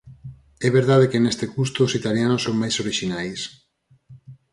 É verdade que neste custo os italianos son máis orixinais.